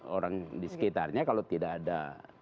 orang di sekitarnya kalau tidak ada